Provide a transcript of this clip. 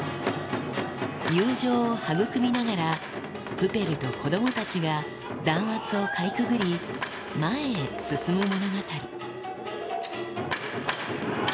友情をはぐくみながら、プペルと子どもたちが弾圧をかいくぐり、前へ進む物語。